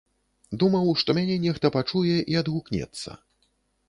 Думаў, што мяне нехта пачуе і адгукнецца.